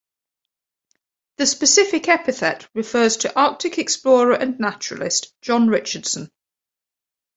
The specific epithet refers to Arctic explorer and naturalist John Richardson.